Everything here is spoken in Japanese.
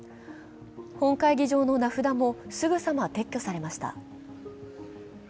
本会議場の名札もすぐさま撤去されました。